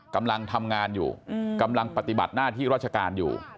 กำลังทำงานอยู่กำลังปฏิบัติหน้าที่ราชการอยู่